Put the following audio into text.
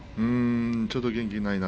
ちょっと元気がないかな。